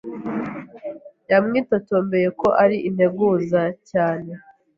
Yamwitotombeye ko ari integuza cyane.